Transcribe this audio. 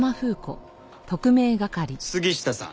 杉下さん